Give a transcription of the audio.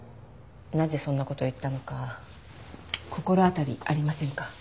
なぜそんな事を言ったのか心当たりありませんか？